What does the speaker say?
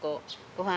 ご飯